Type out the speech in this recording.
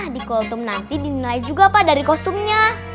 di kutum nanti dinilai juga pa dari kostumnya